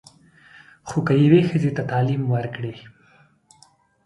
خو که یوې ښځې ته تعلیم ورکړې.